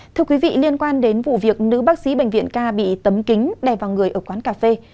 thưa quý vị liên quan đến vụ việc nữ bác sĩ bệnh viện ca bị tấm kính đè vào người ở quán cà phê